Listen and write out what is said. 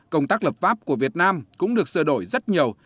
công tác lập pháp của việt nam cũng được sửa đổi rất nhiều